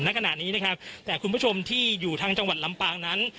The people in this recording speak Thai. ณขณะนี้นะครับแต่คุณผู้ชมที่อยู่ทางจังหวัดลำปางนั้น